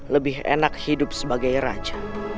lebih enak hidup sebagai raja